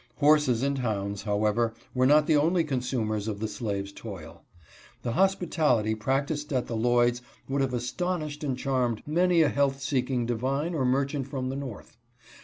Horses and hounds, however, were not the only consumers of the slave's toil. The hospitality prac ticed at the Lloyd's would have astonished and charmed many a health seeking divine or merchant from the north.